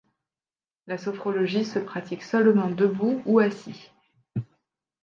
La sophrologie se pratique seulement debout ou assis.